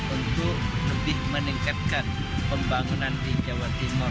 untuk lebih meningkatkan pembangunan di jawa timur